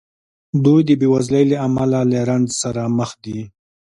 دوی د بېوزلۍ له امله له رنځ سره مخ دي.